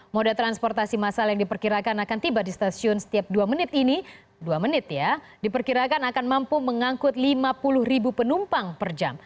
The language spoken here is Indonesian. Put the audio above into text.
moda transportasi masal yang diperkirakan akan tiba di stasiun setiap dua menit ini dua menit ya diperkirakan akan mampu mengangkut lima puluh ribu penumpang per jam